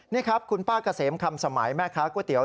นี่ครับคุณป้าเกษมคำสมัยแม่ค้าก๋วยเตี๋ย